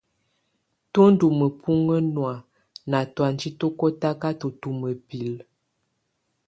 Tù ndù mǝpuŋkǝ nɔ̀á na tɔ̀anjɛ kɔtakatɔ tu mǝpilǝ.